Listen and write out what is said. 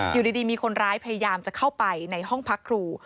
อยู่ดีมีคนร้ายพยายามจะเข้าไปในห้องพักครู